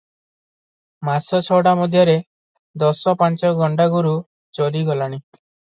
ମାସ ଛଅଟା ମଧ୍ୟରେ ଦଶ ପାଞ୍ଚ ଗଣ୍ଡା ଗୋରୁ ଚୋରି ଗଲାଣି ।